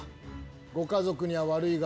ご家族には悪いが